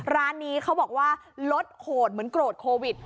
ร้านนี้เขาบอกว่ารสโหดเหมือนแบ่งว่าโดรดโควิต